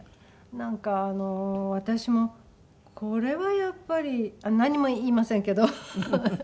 なんか私もこれはやっぱりあっ何も言いませんけど。